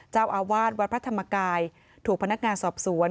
เจ้าอาวาสวัดพระธรรมกายถูกพนักงานสอบสวน